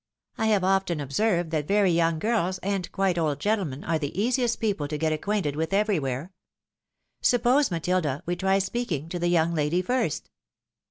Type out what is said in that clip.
I have often observed that very young girls, and quite old gentlemen, are the easiest people to get acquainted with everywhere. Suppose, Matilda, we try speaking to the young lady first?